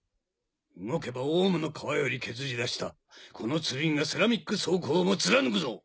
動けば王蟲の皮より削り出したこの剣がセラミック装甲をも貫くぞ！